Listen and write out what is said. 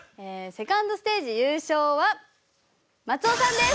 セカンドステージ優勝は松尾さんです。